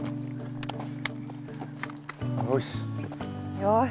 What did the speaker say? よし。